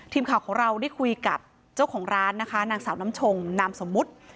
ทีมข่าวของเราได้คุยกับเจ้าของร้านนะคะนางสาวน้ำชงนามสมมุติ